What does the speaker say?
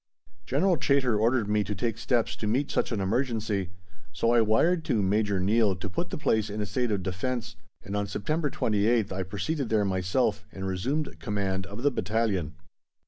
General Chaytor ordered me to take steps to meet such an emergency, so I wired to Major Neill to put the place in a state of defence, and on September 28th I proceeded there myself and resumed command of the battalion.